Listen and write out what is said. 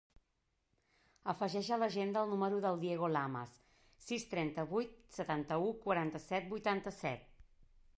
Afegeix a l'agenda el número del Diego Lamas: sis, trenta-vuit, setanta-u, quaranta-set, vuitanta-set.